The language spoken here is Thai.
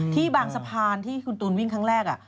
ที่บางสะพานที่คุณตูนวิ่งครั้งแรก